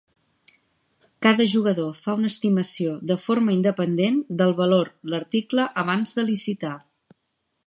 Cada jugador fa una estimació de forma independent del valor l'article abans de licitar.